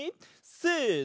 せの！